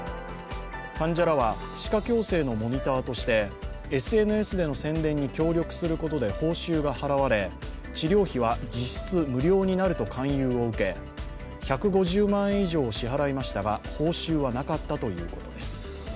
患者らは歯科矯正のモニターとしてＳＮＳでの宣伝に協力することで報酬が払われ、治療費は実質無料になると勧誘を受け１５０万円以上を支払いましたが報酬はなかったということです。